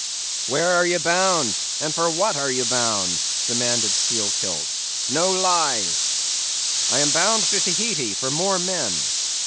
"'Where are you bound? and for what are you bound?' demanded Steelkilt; 'no lies.' "'I am bound to Tahiti for more men.